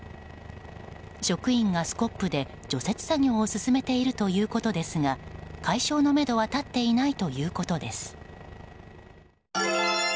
職員がスコップで除雪作業を続けているということですが解消のめどは立っていないということです。